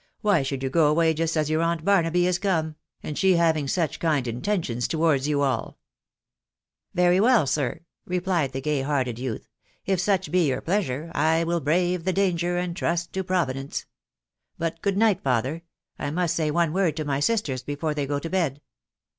... Why should you go away just as your aunt Btrnaby is come, and she having such kind intentions towards you all ?"" Very well, sir," replied the gay hearted youth ;" if such be your pleasure, I will brave the danger, and trust to Pro vidence. •.. But, good night, father !.... I must say one word to my sisters before they go to bed"